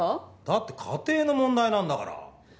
だって家庭の問題なんだから。